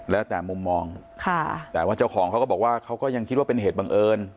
แล้วแต่มุมมองค่ะแต่ว่าเจ้าของเขาก็บอกว่าเขาก็ยังคิดว่าเป็นเหตุบังเอิญ